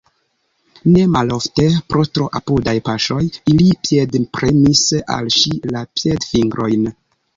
Ne malofte, pro tro apudaj paŝoj, ili piedpremis al ŝi la piedfingrojn.